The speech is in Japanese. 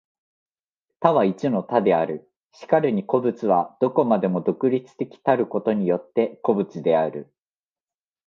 多は一の多である。然るに個物は何処までも独立的たることによって個物である。